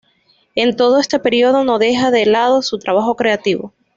En todo este periodo no deja de lado su trabajo creativo.